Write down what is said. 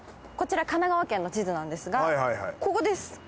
こちら神奈川県の地図なんですがここです